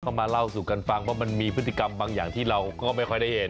ก็มาเล่าสู่กันฟังว่ามันมีพฤติกรรมบางอย่างที่เราก็ไม่ค่อยได้เห็น